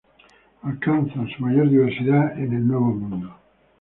Alcanzan su mayor diversidad en el Nuevo Mundo.